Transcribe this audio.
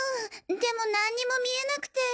でもなんにも見えなくて。